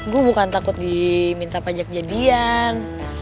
gue bukan takut diminta pajak jadian